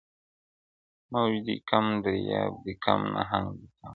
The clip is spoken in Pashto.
موج دي کم دریاب دي کم نهنګ دي کم.!.!